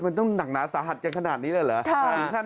มันต้องหนักหนาสาหัสกันขนาดนี้เลยเหรอ